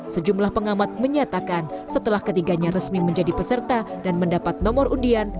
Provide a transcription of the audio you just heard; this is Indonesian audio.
sejumlah pengamat menyatakan setelah ketiganya resmi menjadi peserta dan mendapat nomor undian